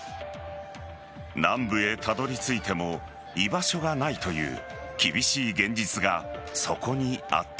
南部へたどり着いても居場所がないという厳しい現実がそこにあった。